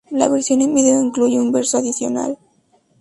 La versión en video incluye un verso adicional.